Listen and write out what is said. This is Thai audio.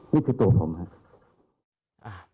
นี่คือตัวผมครับ